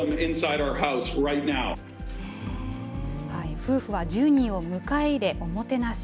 夫婦は１０人を迎え入れ、おもてなし。